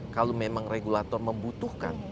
kalau memang regulator membutuhkan